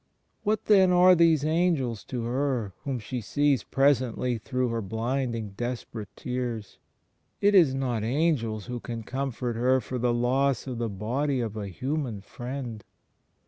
... What then are these angels to her, whom she sees presently through her blinding desperate tears? It is not angels who can comfort her for the loss of the body of a human Friend.